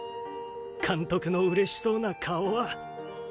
監督の嬉しそうな顔は。